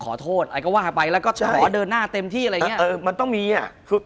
คุณผู้ชมบางท่าอาจจะไม่เข้าใจที่พิเตียร์สาร